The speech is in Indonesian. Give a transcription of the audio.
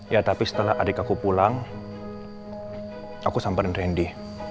ya tapi setelah adik aku pulang aku samperin randy